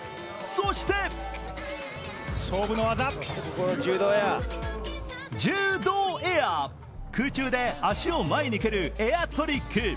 そしてジュードーエア、空中で足を前に蹴るエアトリック。